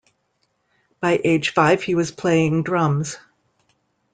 By age five, he was playing drums.